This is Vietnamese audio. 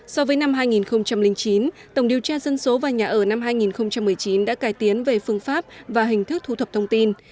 so với năm hai nghìn chín tổng điều tra dân số và nhà ở năm hai nghìn một mươi chín đã cải tiến về phương pháp và hình thức thu thập thông tin